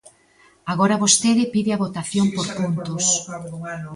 Agora vostede pide a votación por puntos.